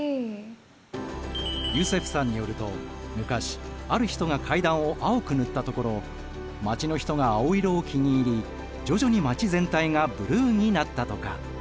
ユセフさんによると昔ある人が階段を青く塗ったところ街の人が青色を気に入り徐々に街全体がブルーになったとか。